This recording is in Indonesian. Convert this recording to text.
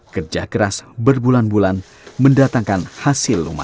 kerja keras berbulan bulan mendatangkan hasil lumayan